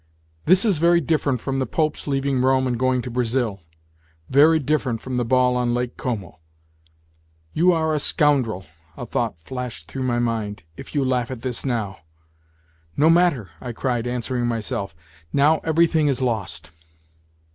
" This is very different from the Pope's leaving Rome and going to Brazil, very different from the ball on Lake Como !"" You are a scoundrel," a thought flashed through my mind, " if you laugh at this now." " No matter !" I cried, answering mj^self. " Now everything is lost